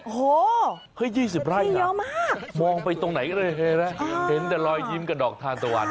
โอ้โห๒๐ไร่นะมองไปตรงไหนแหละแล้วเห็นแต่ลอยยิ้มกับดอกคานตะวัน